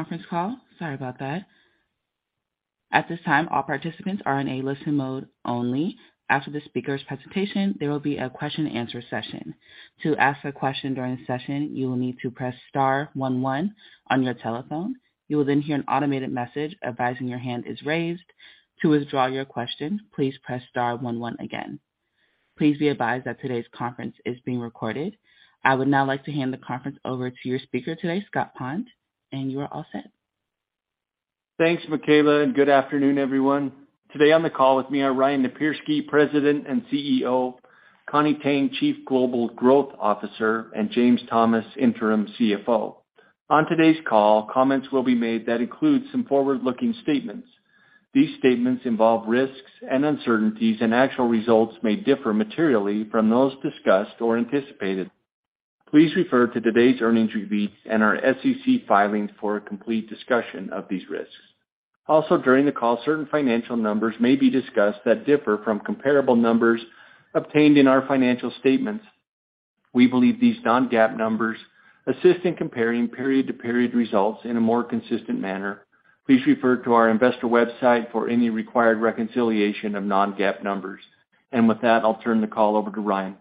Conference call. Sorry about that. At this time, all participants are in a listen mode only. After the speaker's presentation, there will be a question and answer session. To ask a question during the session, you will need to press star one one on your telephone. You will then hear an automated message advising your hand is raised. To withdraw your question, please press star one one again. Please be advised that today's conference is being recorded. I would now like to hand the conference over to your speaker today, Scott Pond. You are all set. Thanks, Michaela, good afternoon, everyone. Today on the call with me are Ryan Napierski, President and CEO, Connie Tang, Chief Global Growth Officer, and James Thomas, Interim CFO. On today's call, comments will be made that include some forward-looking statements. These statements involve risks and uncertainties, actual results may differ materially from those discussed or anticipated. Please refer to today's earnings release and our SEC filings for a complete discussion of these risks. Also, during the call, certain financial numbers may be discussed that differ from comparable numbers obtained in our financial statements. We believe these non-GAAP numbers assist in comparing period-to-period results in a more consistent manner. Please refer to our investor website for any required reconciliation of non-GAAP numbers. With that, I'll turn the call over to Ryan.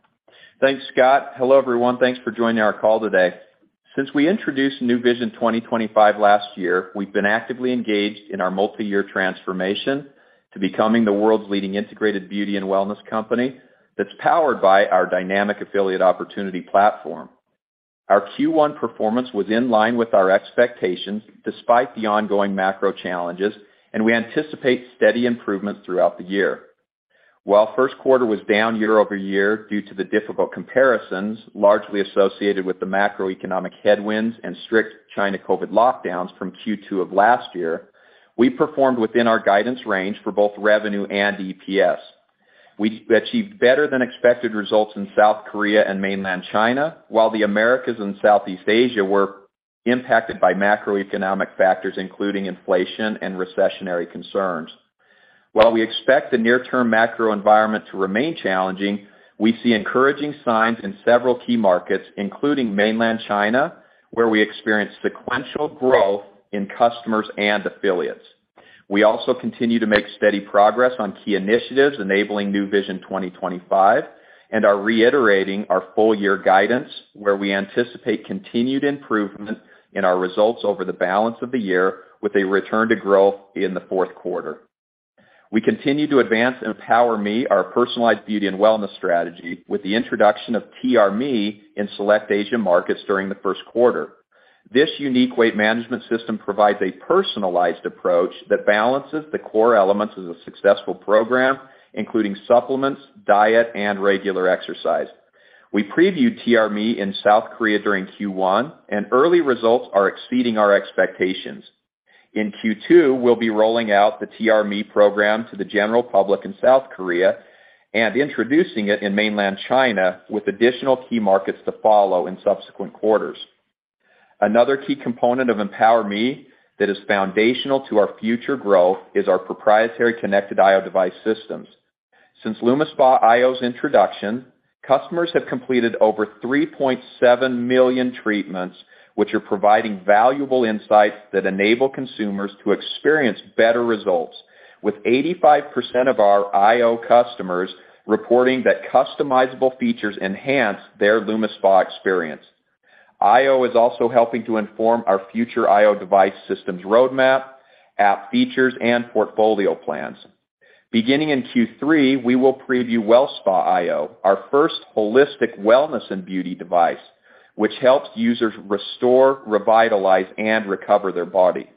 Thanks, Scott. Hello, everyone. Thanks for joining our call today. Since we introduced Nu Vision 2025 last year, we've been actively engaged in our multiyear transformation to becoming the world's leading integrated beauty and wellness company that's powered by our dynamic affiliate opportunity platform. Our Q1 performance was in line with our expectations despite the ongoing macro challenges, and we anticipate steady improvement throughout the year. While first quarter was down year-over-year due to the difficult comparisons, largely associated with the macroeconomic headwinds and strict China COVID lockdowns from Q2 of last year, we performed within our guidance range for both revenue and EPS. We achieved better than expected results in South Korea and Mainland China, while the Americas and Southeast Asia were impacted by macroeconomic factors, including inflation and recessionary concerns. While we expect the near-term macro environment to remain challenging, we see encouraging signs in several key markets, including Mainland China, where we experienced sequential growth in customers and affiliates. We also continue to make steady progress on key initiatives enabling Nu Vision 2025 and are reiterating our full year guidance, where we anticipate continued improvement in our results over the balance of the year with a return to growth in the fourth quarter. We continue to advance EmpowerMe, our personalized beauty and wellness strategy, with the introduction of TRMe in select Asia markets during the first quarter. This unique weight management system provides a personalized approach that balances the core elements of a successful program, including supplements, diet, and regular exercise. We previewed TRMe in South Korea during Q1, and early results are exceeding our expectations. In Q2, we'll be rolling out the TRMe program to the general public in South Korea and introducing it in Mainland China with additional key markets to follow in subsequent quarters. Another key component of EmpowerMe that is foundational to our future growth is our proprietary connected iO device systems. Since LumiSpa iO's introduction, customers have completed over 3.7 million treatments, which are providing valuable insights that enable consumers to experience better results, with 85% of our iO customers reporting that customizable features enhance their LumiSpa experience. iO is also helping to inform our future iO device systems roadmap, app features, and portfolio plans. Beginning in Q3, we will preview WellSpa iO, our first holistic wellness and beauty device, which helps users restore, revitalize, and recover their body.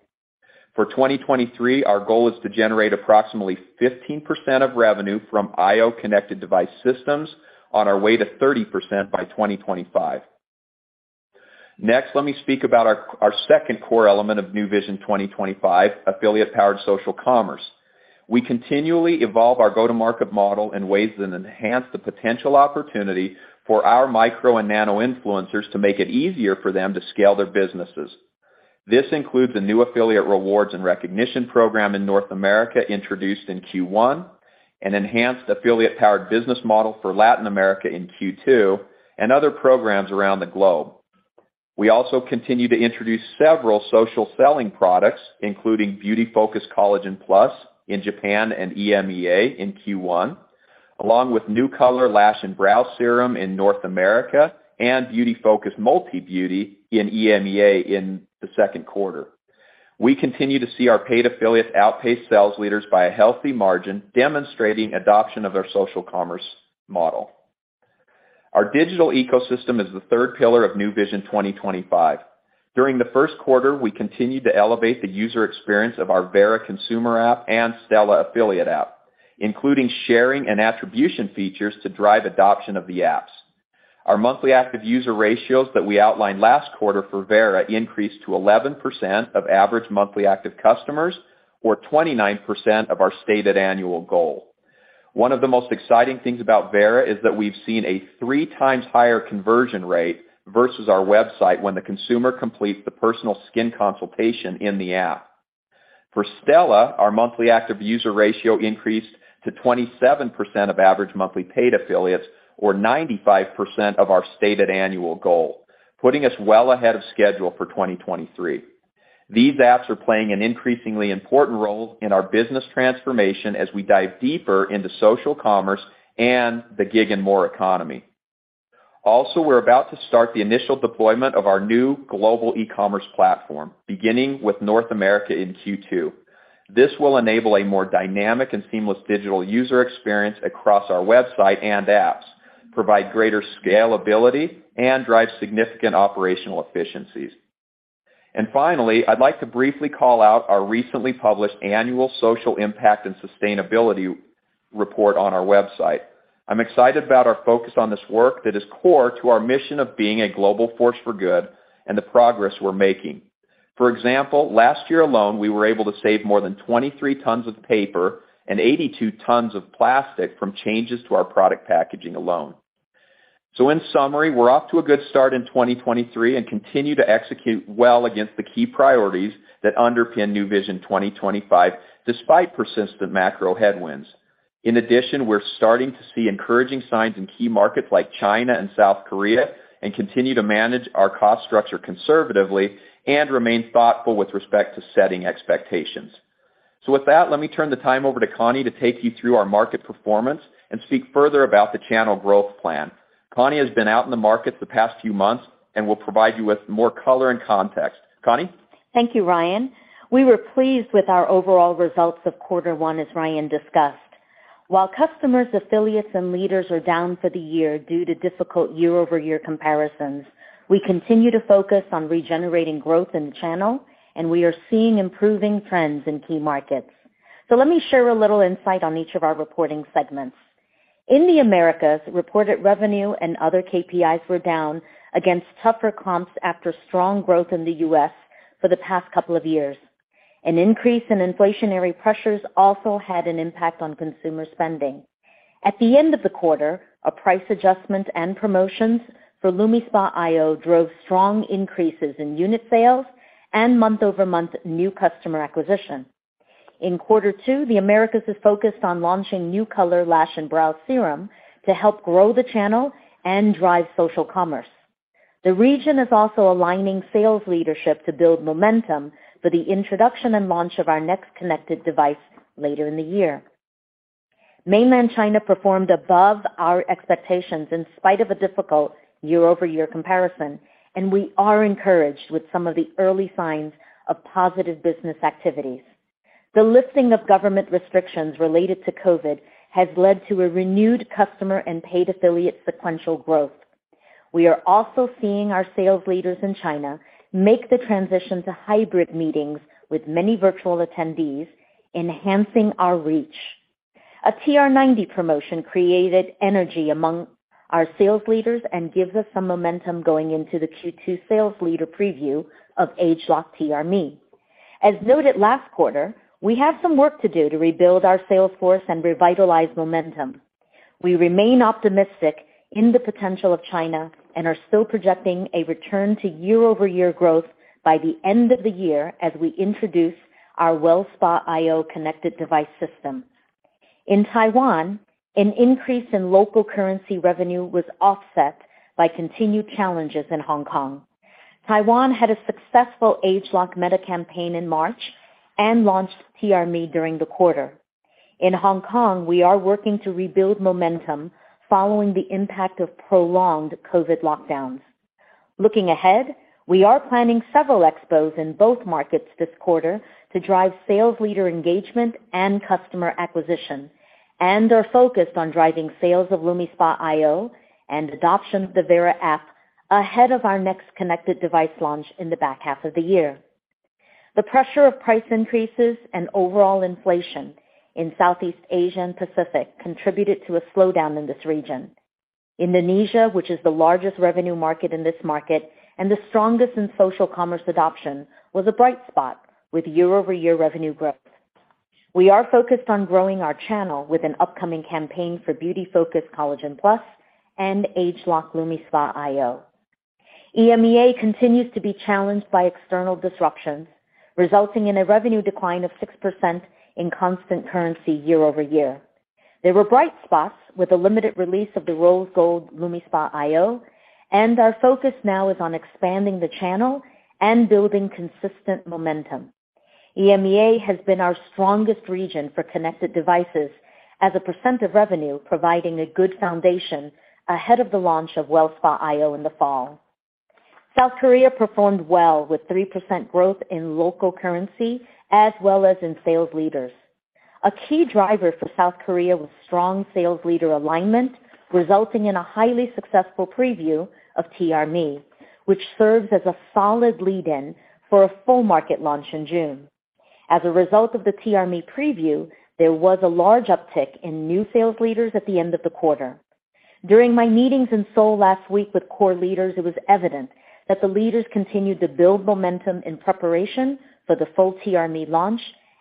For 2023, our goal is to generate approximately 15% of revenue from iO connected device systems on our way to 30% by 2025. Next, let me speak about our second core element of Nu Vision 2025, affiliate-powered social commerce. We continually evolve our go-to-market model in ways that enhance the potential opportunity for our micro and nano influencers to make it easier for them to scale their businesses. This includes a new affiliate rewards and recognition program in North America introduced in Q1, an enhanced affiliate-powered business model for Latin America in Q2, and other programs around the globe. We also continue to introduce several social selling products, including Beauty Focus Collagen+ in Japan and EMEA in Q1, along with Nu Colour Lash and Brow Serum in North America and Beauty Focus MultiBeauty in EMEA in the second quarter. We continue to see our paid affiliates outpace sales leaders by a healthy margin, demonstrating adoption of our social commerce model. Our digital ecosystem is the third pillar of Nu Vision 2025. During the first quarter, we continued to elevate the user experience of our Vera consumer app and Stela affiliate app, including sharing and attribution features to drive adoption of the apps. Our monthly active user ratios that we outlined last quarter for Vera increased to 11% of average monthly active customers, or 29% of our stated annual goal. One of the most exciting things about Vera is that we've seen a three times higher conversion rate versus our website when the consumer completes the personal skin consultation in the app. For Stela, our monthly active user ratio increased to 27% of average monthly paid affiliates or 95% of our stated annual goal, putting us well ahead of schedule for 2023. These apps are playing an increasingly important role in our business transformation as we dive deeper into social commerce and the gig and more economy. We're about to start the initial deployment of our new global e-commerce platform, beginning with North America in Q2. This will enable a more dynamic and seamless digital user experience across our website and apps, provide greater scalability, and drive significant operational efficiencies. Finally, I'd like to briefly call out our recently published annual Social Impact and Sustainability Report on our website. I'm excited about our focus on this work that is core to our mission of being a global force for good and the progress we're making. For example, last year alone, we were able to save more than 23 tons of paper and 82 tons of plastic from changes to our product packaging alone. In summary, we're off to a good start in 2023 and continue to execute well against the key priorities that underpin Nu Vision 2025, despite persistent macro headwinds. In addition, we're starting to see encouraging signs in key markets like China and South Korea, and continue to manage our cost structure conservatively and remain thoughtful with respect to setting expectations. With that, let me turn the time over to Connie to take you through our market performance and speak further about the channel growth plan. Connie has been out in the market the past few months and will provide you with more color and context. Connie? Thank you, Ryan. We were pleased with our overall results of quarter one, as Ryan discussed. While customers, affiliates, and leaders are down for the year due to difficult year-over-year comparisons, we continue to focus on regenerating growth in the channel, and we are seeing improving trends in key markets. Let me share a little insight on each of our reporting segments. In the Americas, reported revenue and other KPIs were down against tougher comps after strong growth in the U.S. for the past couple of years. An increase in inflationary pressures also had an impact on consumer spending. At the end of the quarter, a price adjustment and promotions for LumiSpa iO drove strong increases in unit sales and month-over-month new customer acquisition. In quarter two, the Americas is focused on launching Nu Colour Lash and Brow Serum to help grow the channel and drive social commerce. The region is also aligning sales leadership to build momentum for the introduction and launch of our next connected device later in the year. Mainland China performed above our expectations in spite of a difficult year-over-year comparison, and we are encouraged with some of the early signs of positive business activities. The lifting of government restrictions related to COVID has led to a renewed customer and paid affiliate sequential growth. We are also seeing our sales leaders in China make the transition to hybrid meetings with many virtual attendees, enhancing our reach. A TR90 promotion created energy among our sales leaders and gives us some momentum going into the Q2 sales leader preview of ageLOC TRMe. As noted last quarter, we have some work to do to rebuild our sales force and revitalize momentum. We remain optimistic in the potential of China and are still projecting a return to year-over-year growth by the end of the year as we introduce our WellSpa iO connected device system. In Taiwan, an increase in local currency revenue was offset by continued challenges in Hong Kong. Taiwan had a successful ageLOC Meta campaign in March and launched TRMe during the quarter. In Hong Kong, we are working to rebuild momentum following the impact of prolonged COVID lockdowns. Looking ahead, we are planning several expos in both markets this quarter to drive sales leader engagement and customer acquisition and are focused on driving sales of LumiSpa iO and adoption of the Vera app ahead of our next connected device launch in the back half of the year. The pressure of price increases and overall inflation in Southeast Asia and Pacific contributed to a slowdown in this region. Indonesia, which is the largest revenue market in this market and the strongest in social commerce adoption, was a bright spot with year-over-year revenue growth. We are focused on growing our channel with an upcoming campaign for Beauty Focus Collagen+ and ageLOC LumiSpa iO. EMEA continues to be challenged by external disruptions, resulting in a revenue decline of 6% in constant currency year-over-year. There were bright spots with a limited release of the rose gold LumiSpa iO, and our focus now is on expanding the channel and building consistent momentum. EMEA has been our strongest region for connected devices as a percent of revenue, providing a good foundation ahead of the launch of WellSpa iO in the fall. South Korea performed well with 3% growth in local currency as well as in sales leaders. A key driver for South Korea was strong sales leader alignment, resulting in a highly successful preview of TRMe, which serves as a solid lead-in for a full market launch in June. A result of the TRMe preview, there was a large uptick in new sales leaders at the end of the quarter. During my meetings in Seoul last week with core leaders, it was evident that the leaders continued to build momentum in preparation for the full TRMe launch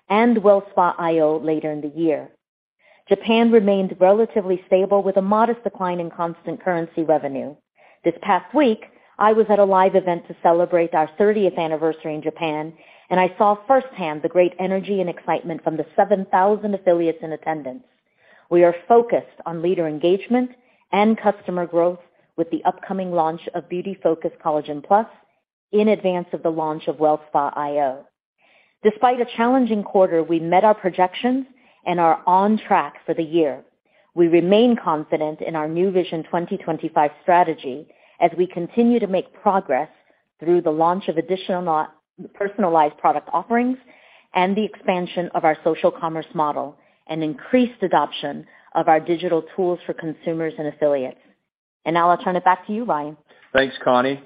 and WellSpa iO later in the year. Japan remained relatively stable with a modest decline in constant currency revenue. This past week, I was at a live event to celebrate our 30th anniversary in Japan, and I saw firsthand the great energy and excitement from the 7,000 affiliates in attendance. We are focused on leader engagement and customer growth with the upcoming launch of Beauty Focus Collagen+ in advance of the launch of WellSpa iO. Despite a challenging quarter, we met our projections and are on track for the year. We remain confident in our Nu Vision 2025 strategy as we continue to make progress through the launch of additional personalized product offerings and the expansion of our social commerce model and increased adoption of our digital tools for consumers and affiliates. Now I'll turn it back to you, Ryan. Thanks, Connie.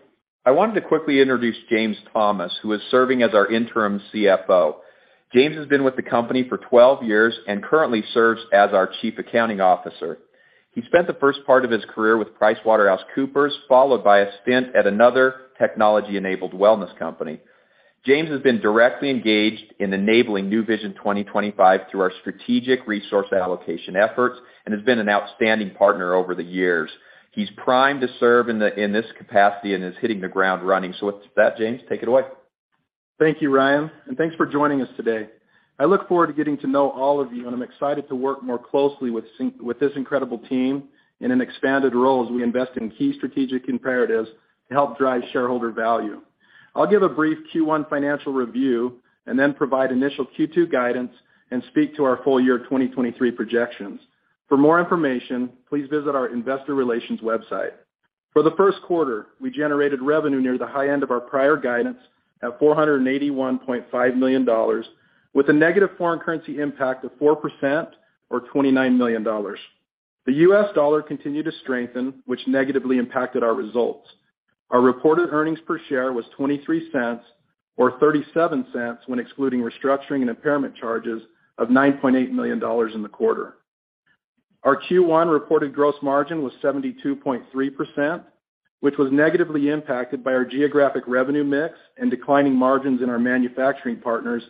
I wanted to quickly introduce James Thomas, who is serving as our Interim CFO. James has been with the company for 12 years and currently serves as our Chief Accounting Officer. He spent the first part of his career with PricewaterhouseCoopers, followed by a stint at another technology-enabled wellness company. James has been directly engaged in enabling Nu Vision 2025 through our strategic resource allocation efforts and has been an outstanding partner over the years. He's primed to serve in this capacity and is hitting the ground running. With that, James, take it away. Thank you, Ryan, and thanks for joining us today. I look forward to getting to know all of you, and I'm excited to work more closely with this incredible team in an expanded role as we invest in key strategic imperatives to help drive shareholder value. I'll give a brief Q1 financial review and then provide initial Q2 guidance and speak to our full year 2023 projections. For more information, please visit our investor relations website. For the first quarter, we generated revenue near the high end of our prior guidance at $481.5 million, with a negative foreign currency impact of 4% or $29 million. The U.S. dollar continued to strengthen, which negatively impacted our results. Our reported earnings per share was $0.23 or $0.37 when excluding restructuring and impairment charges of $9.8 million in the quarter. Our Q1 reported gross margin was 72.3%, which was negatively impacted by our geographic revenue mix and declining margins in our manufacturing partners,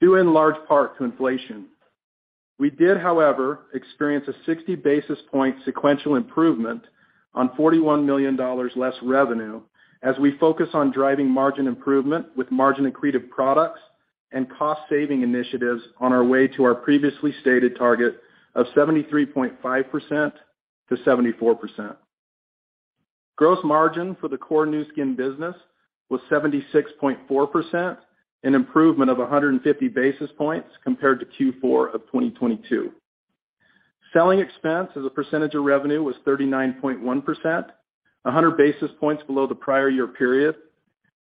due in large part to inflation. We did, however, experience a 60 basis point sequential improvement on $41 million less revenue as we focus on driving margin improvement with margin-accretive products and cost-saving initiatives on our way to our previously stated target of 73.5%-74%. Gross margin for the core Nu Skin business was 76.4%, an improvement of 150 basis points compared to Q4 of 2022. Selling expense as a percentage of revenue was 39.1%, 100 basis points below the prior year period.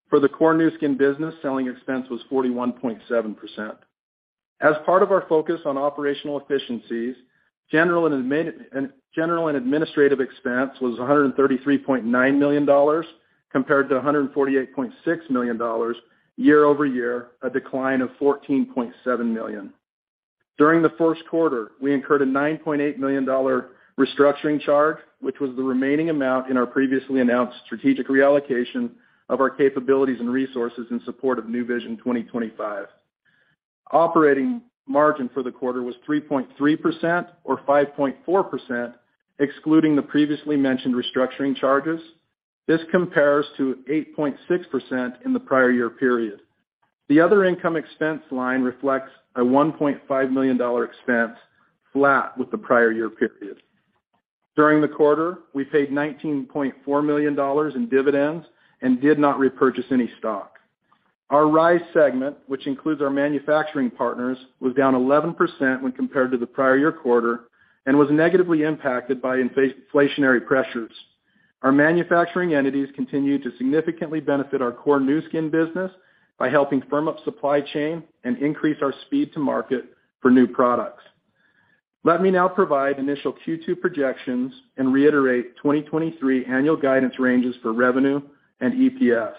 For the core Nu Skin business, selling expense was 41.7%. As part of our focus on operational efficiencies, general and administrative expense was $133.9 million, compared to $148.6 million year-over-year, a decline of $14.7 million. During the first quarter, we incurred a $9.8 million restructuring charge, which was the remaining amount in our previously announced strategic reallocation of our capabilities and resources in support of Nu Vision 2025. Operating margin for the quarter was 3.3% or 5.4%, excluding the previously mentioned restructuring charges. This compares to 8.6% in the prior year period. The other income expense line reflects a $1.5 million expense flat with the prior year period. During the quarter, we paid $19.4 million in dividends and did not repurchase any stock. Our Rhyz segment, which includes our manufacturing partners, was down 11% when compared to the prior year quarter and was negatively impacted by inflationary pressures. Our manufacturing entities continue to significantly benefit our core Nu Skin business by helping firm up supply chain and increase our speed to market for new products. Let me now provide initial Q2 projections and reiterate 2023 annual guidance ranges for revenue and EPS.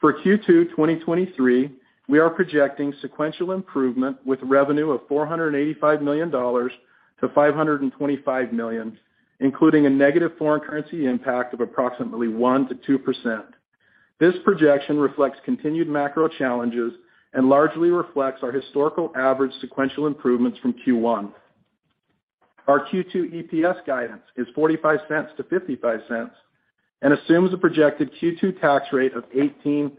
For Q2 2023, we are projecting sequential improvement with revenue of $485 million-$525 million, including a negative foreign currency impact of approximately 1%-2%. This projection reflects continued macro challenges and largely reflects our historical average sequential improvements from Q1. Our Q2 EPS guidance is $0.45-$0.55 and assumes a projected Q2 tax rate of 18%-26%.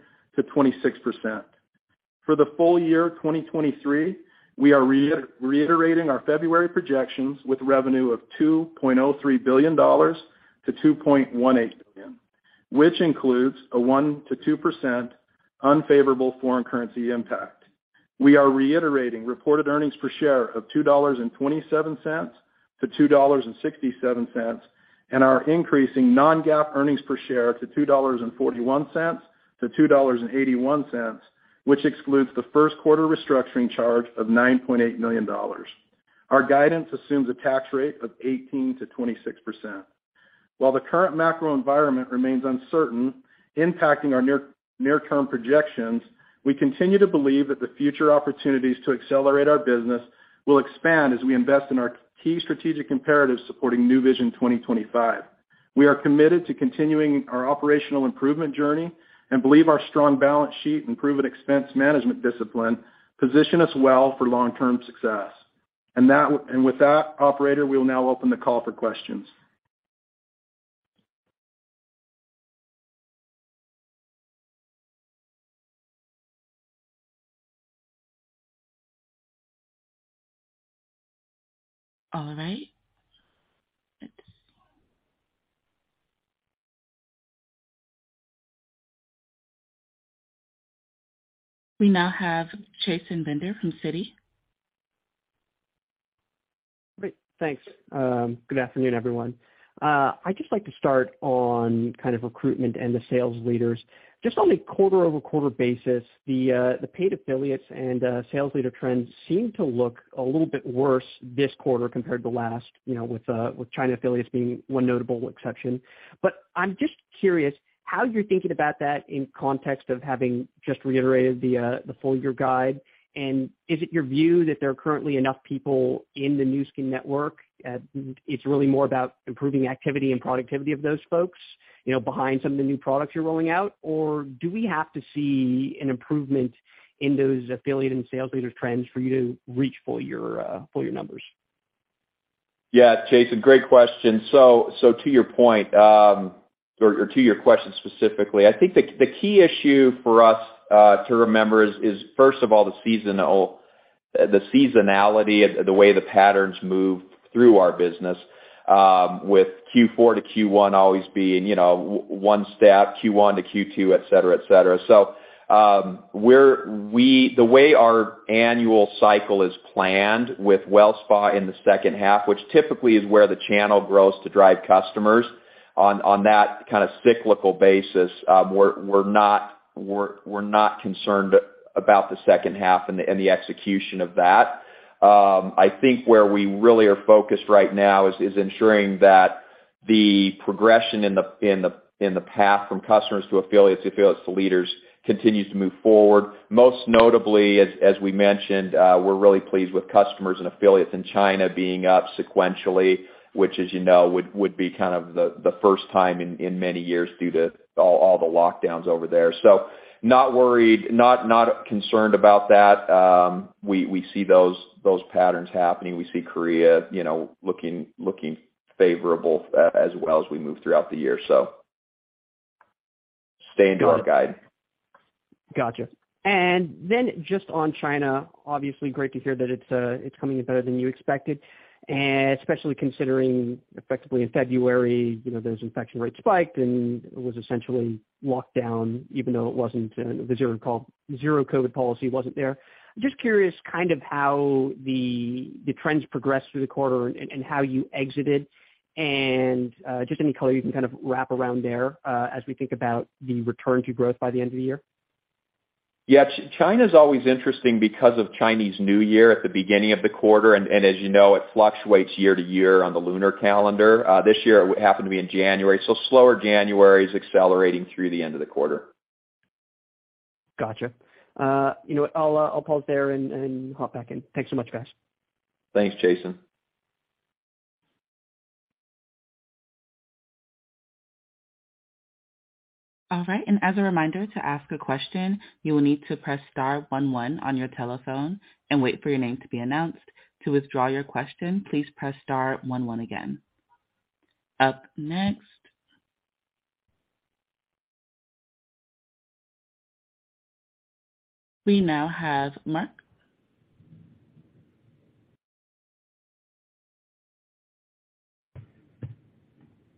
For the full year 2023, we are reiterating our February projections with revenue of $2.03 billion-$2.18 billion, which includes a 1%-2% unfavorable foreign currency impact. We are reiterating reported earnings per share of $2.27-$2.67, and are increasing non-GAAP earnings per share to $2.41-$2.81, which excludes the first quarter restructuring charge of $9.8 million. Our guidance assumes a tax rate of 18%-26%. While the current macro environment remains uncertain, impacting our near term projections, we continue to believe that the future opportunities to accelerate our business will expand as we invest in our key strategic imperatives supporting Nu Vision 2025. We are committed to continuing our operational improvement journey and believe our strong balance sheet and proven expense management discipline position us well for long-term success. With that, operator, we'll now open the call for questions. All right. We now have Chasen Bender from Citi. Great. Thanks. good afternoon, everyone. I'd just like to start on kind of recruitment and the sales leaders. Just on a quarter-over-quarter basis, the paid affiliates and sales leader trends seem to look a little bit worse this quarter compared to last, you know, with China affiliates being one notable exception. I'm just curious how you're thinking about that in context of having just reiterated the full-year guide. Is it your view that there are currently enough people in the Nu Skin network? It's really more about improving activity and productivity of those folks, you know, behind some of the new products you're rolling out, or do we have to see an improvement in those affiliate and sales leader trends for you to reach full-year, full-year numbers? Yeah, Chasen, great question. To your point, or to your question specifically, I think the key issue for us to remember is first of all, the seasonality, the way the patterns move through our business, with Q4 to Q1 always being, you know, one step, Q1 to Q2, etc, etc. The way our annual cycle is planned with WellSpa in the second half, which typically is where the channel grows to drive customers on that kinda cyclical basis, we're not concerned about the second half and the execution of that. I think where we really are focused right now is ensuring that the progression in the path from customers to affiliates, to affiliates to leaders continues to move forward. Most notably, as we mentioned, we're really pleased with customers and affiliates in China being up sequentially, which as you know, would be kind of the first time in many years due to all the lockdowns over there. Not worried, not concerned about that. We see those patterns happening. We see Korea, you know, looking favorable as well as we move throughout the year. Staying to our guide. Gotcha. Just on China, obviously great to hear that it's coming in better than you expected. Especially considering effectively in February, you know, those infection rates spiked and it was essentially locked down even though it wasn't, the zero COVID policy wasn't there. Just curious kind of how the trends progressed through the quarter and how you exited and just any color you can kind of wrap around there as we think about the return to growth by the end of the year. Yeah. China's always interesting because of Chinese New Year at the beginning of the quarter, and as you know, it fluctuates year to year on the lunar calendar. This year it happened to be in January, slower January is accelerating through the end of the quarter. Gotcha. You know what, I'll pause there and hop back in. Thanks so much, guys. Thanks, Chasen. All right. As a reminder, to ask a question, you'll need to press star one one on your telephone and wait for your name to be announced. To withdraw your question, please press star one one again. Up next, we now have Mark.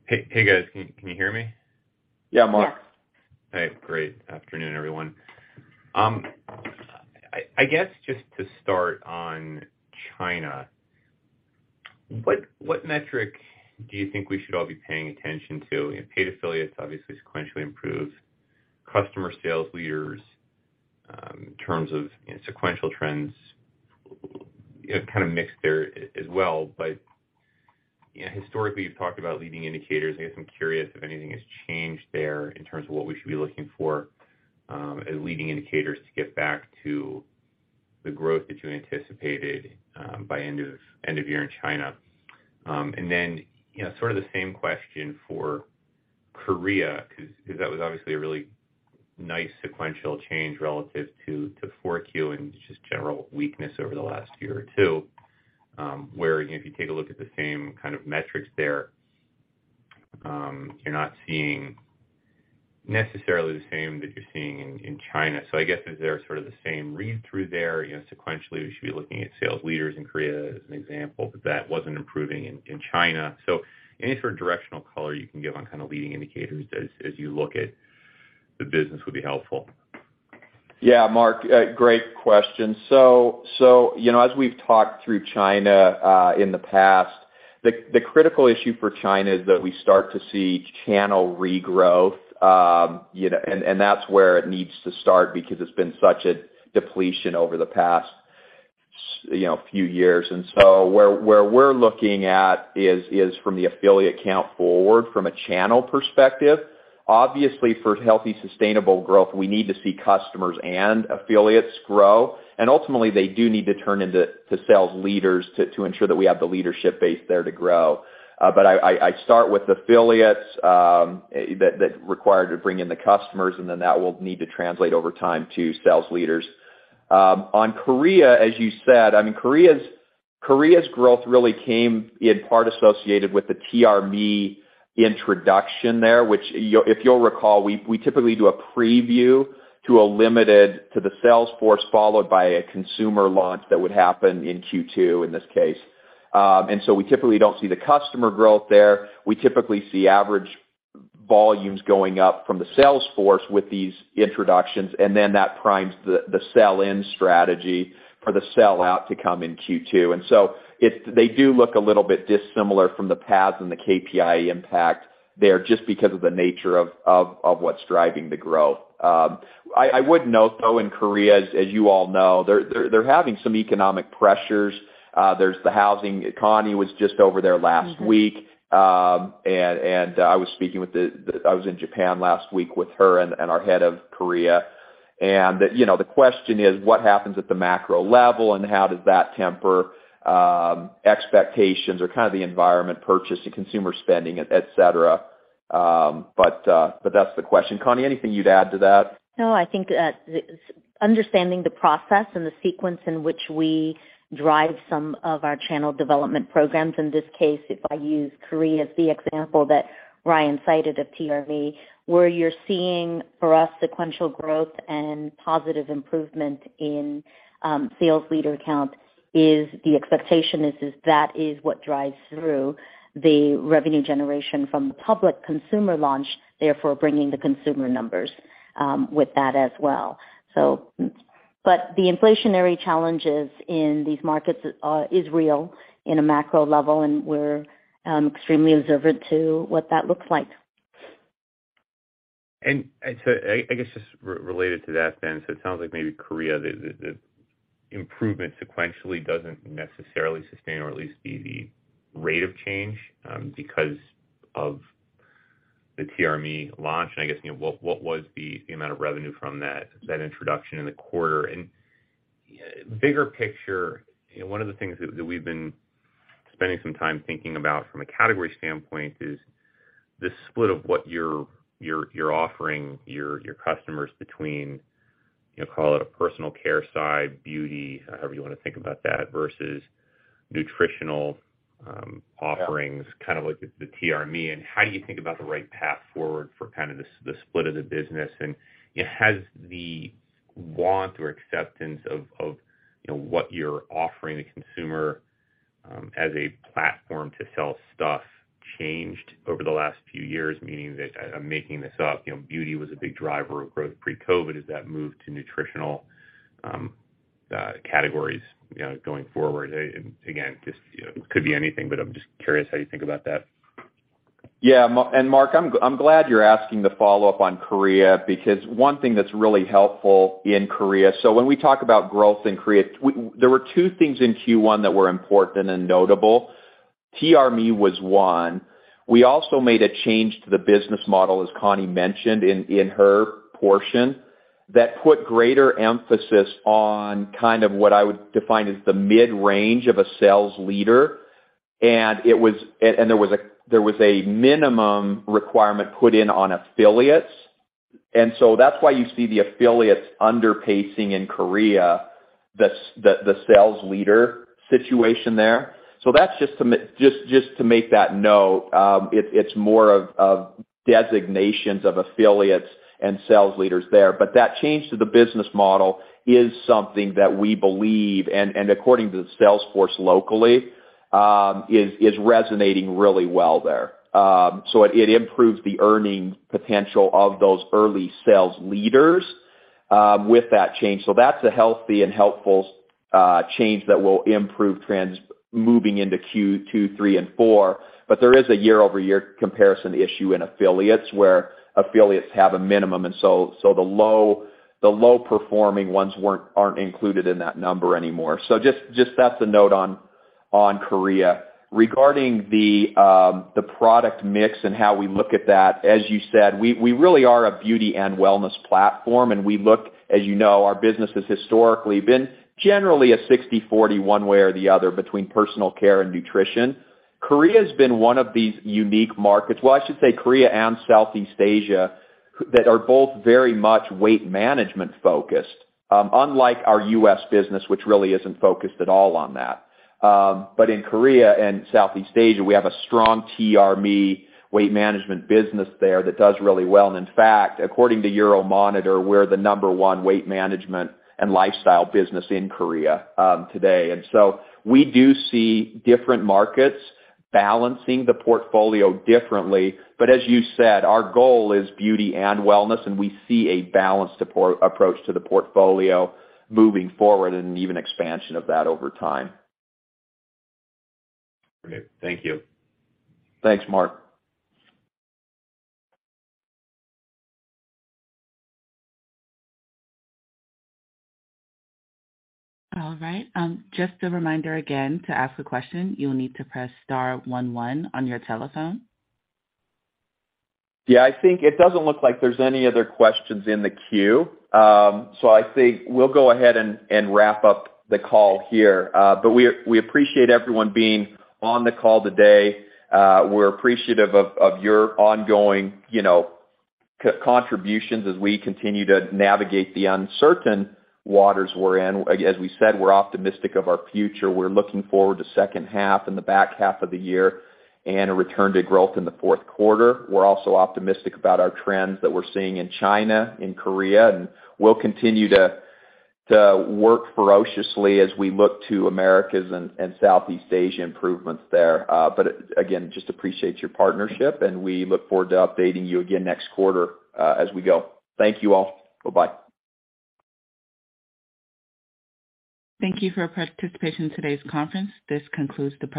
Hey, guys. Can you hear me? Yeah, Mark. All right. Great. Afternoon, everyone. I guess just to start on China, what metric do you think we should all be paying attention to? Paid affiliates obviously sequentially improve. Customer sales leaders, in terms of sequential trends, kind of mixed there as well. You know, historically you've talked about leading indicators. I guess I'm curious if anything has changed there in terms of what we should be looking for, as leading indicators to get back to the growth that you anticipated, by end of year in China. You know, sort of the same question for Korea because that was obviously a really nice sequential change relative to Q4 and just general weakness over the last year or two, where if you take a look at the same kind of metrics there, you're not seeing necessarily the same that you're seeing in China. I guess is there sort of the same read-through there? You know, sequentially, we should be looking at sales leaders in Korea as an example, but that wasn't improving in China. Any sort of directional color you can give on kind of leading indicators as you look at the business would be helpful. Yeah, Mark, great question. You know, as we've talked through China, in the past, the critical issue for China is that we start to see channel regrowth. You know, and that's where it needs to start because it's been such a depletion over the past you know, few years. Where we're looking at is from the affiliate count forward from a channel perspective. Obviously, for healthy, sustainable growth, we need to see customers and affiliates grow, and ultimately they do need to turn into sales leaders to ensure that we have the leadership base there to grow. I start with affiliates that require to bring in the customers and then that will need to translate over time to sales leaders. on Korea, as you said, I mean, Korea's growth really came in part associated with the TRMe introduction there, which if you'll recall, we typically do a preview to a limited to the sales force, followed by a consumer launch that would happen in Q2, in this case. We typically don't see the customer growth there. We typically see average volumes going up from the sales force with these introductions, and then that primes the sell-in strategy for the sell out to come in Q2. They do look a little bit dissimilar from the paths and the KPI impact there, just because of the nature of what's driving the growth. I would note, though, in Korea, as you all know, they're having some economic pressures. There's the housing. Connie was just over there last week. I was in Japan last week with her and our head of Korea. You know, the question is, what happens at the macro level and how does that temper expectations or kind of the environment purchase to consumer spending, etc? That's the question. Connie, anything you'd add to that? I think that understanding the process and the sequence in which we drive some of our channel development programs, in this case, if I use Korea as the example that Ryan cited of TRMe, where you're seeing, for us, sequential growth and positive improvement in sales leader count, is the expectation is that is what drives through the revenue generation from the public consumer launch, therefore bringing the consumer numbers with that as well. The inflationary challenges in these markets is real in a macro level, and we're extremely observant to what that looks like. I guess, just related to that then, so it sounds like maybe Korea, the improvement sequentially doesn't necessarily sustain or at least be the rate of change because of the TRMe launch. I guess, you know, what was the amount of revenue from that introduction in the quarter? Bigger picture, you know, one of the things that we've been spending some time thinking about from a category standpoint is the split of what you're offering your customers between, you know, call it a personal care side, beauty, however you wanna think about that, versus nutritional offerings, kind of like the TRMe, and how do you think about the right path forward for kind of the split of the business? you know, has the want or acceptance of, you know, what you're offering the consumer, as a platform to sell stuff changed over the last few years, meaning that, I'm making this up, you know, beauty was a big driver of growth pre-COVID as that moved to nutritional categories, you know, going forward? And again, just, you know, could be anything, but I'm just curious how you think about that. Yeah. Mark, I'm glad you're asking the follow-up on Korea, because one thing that's really helpful in Korea. When we talk about growth in Korea, there were two things in Q1 that were important and notable. TRMe was one. We also made a change to the business model, as Connie mentioned in her portion, that put greater emphasis on kind of what I would define as the mid-range of a sales leader. There was a minimum requirement put in on affiliates. That's why you see the affiliates under pacing in Korea, the sales leader situation there. That's just to make that note. It's more of designations of affiliates and sales leaders there. That change to the business model is something that we believe and according to the sales force locally, is resonating really well there. It improves the earning potential of those early sales leaders with that change. That's a healthy and helpful change that will improve trends moving into Q2, Q3 and Q4. There is a year-over-year comparison issue in affiliates, where affiliates have a minimum, and so the low performing ones aren't included in that number anymore. Just that's a note on Korea. Regarding the product mix and how we look at that, as you said, we really are a beauty and wellness platform, and we look. As you know, our business has historically been generally a 60/40 one way or the other between personal care and nutrition. Korea's been one of these unique markets, well, I should say Korea and Southeast Asia, that are both very much weight management focused, unlike our U.S. business, which really isn't focused at all on that. In Korea and Southeast Asia, we have a strong TRMe weight management business there that does really well. In fact, according to Euromonitor, we're the number one weight management and lifestyle business in Korea, today. So we do see different markets balancing the portfolio differently. As you said, our goal is beauty and wellness, and we see a balanced approach to the portfolio moving forward and even expansion of that over time. Thank you. Thanks, Mark. All right, just a reminder again, to ask a question, you'll need to press star one one on your telephone. Yeah, I think it doesn't look like there's any other questions in the queue. I think we'll go ahead and wrap up the call here. We appreciate everyone being on the call today. We're appreciative of your ongoing, you know, contributions as we continue to navigate the uncertain waters we're in. As we said, we're optimistic of our future. We're looking forward to second half and the back half of the year, and a return to growth in the fourth quarter. We're also optimistic about our trends that we're seeing in China, in Korea, and we'll continue to work ferociously as we look to Americas and Southeast Asia improvements there. Again, just appreciate your partnership and we look forward to updating you again next quarter as we go. Thank you all. Bye-bye. Thank you for your participation in today's conference. This concludes the program.